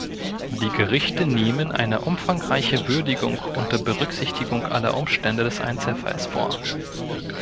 Die Gerichte nehmen eine umfangreiche Würdigung unter Berücksichtigung aller Umstände des Einzelfalls vor.